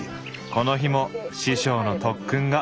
この日も師匠の特訓が。